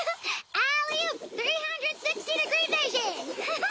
アハハハ。